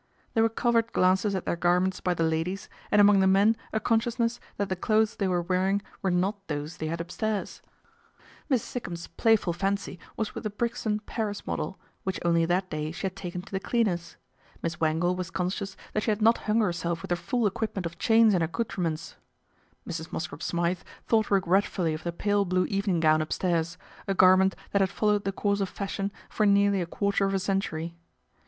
There were covert glances at their garments by :he ladies, and among the men a consciousness that :he clothes they were wearing were not those they lad upstairs. 64 PATRICIA BRENT, SPINSTER Miss Sikkum's playful fancy was with the Brixton " Paris model," which only that day she had taken to the cleaners ; Miss Wangle was con scious that she had not hung herself with her full equipment of chains and accoutrements ; Mrs. Mosscrop Smythe thought regretfully of the pale blue evening gown upstairs, a garment that had followed the course of fashion for nearly a quarter of a century.